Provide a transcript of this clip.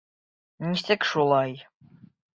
Нисек шулай...